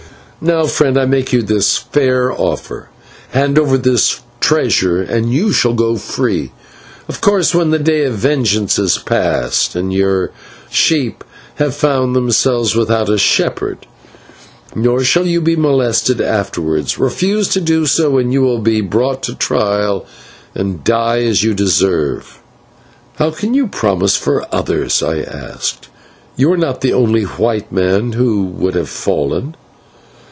"Now, friend, I make you a fair offer hand over this treasure, and you shall go free of course when the day of vengeance is past and your sheep have found themselves without a shepherd nor shall you be molested afterwards. Refuse to do so, and you will be brought to trial and die as you deserve." "How can you promise for others?" I asked. "You are not the only white man who would have fallen."